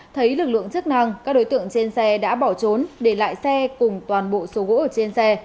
thấy lực lượng chức năng các đối tượng trên xe đã bỏ trốn để lại xe cùng toàn bộ số gỗ ở trên xe